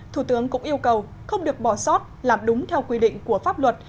thủ tướng cũng yêu cầu không được bỏ sót làm đúng theo quy định của pháp luật